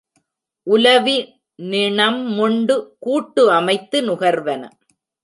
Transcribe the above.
உலவி நிணம் மொண்டு கூட்டு அமைத்து நுகர்வன.